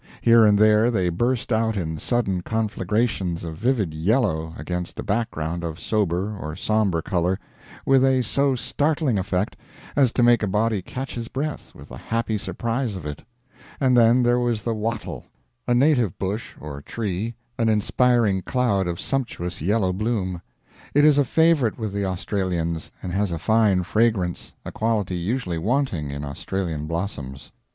Here and there they burst out in sudden conflagrations of vivid yellow against a background of sober or sombre color, with a so startling effect as to make a body catch his breath with the happy surprise of it. And then there was the wattle, a native bush or tree, an inspiring cloud of sumptuous yellow bloom. It is a favorite with the Australians, and has a fine fragrance, a quality usually wanting in Australian blossoms.